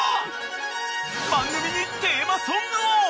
番組にテーマソングを。